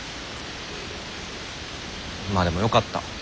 まあでもよかった。